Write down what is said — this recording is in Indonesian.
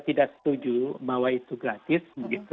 tidak setuju bahwa itu gratis